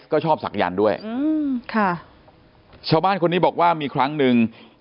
ก็ชอบศักยันต์ด้วยอืมค่ะชาวบ้านคนนี้บอกว่ามีครั้งหนึ่ง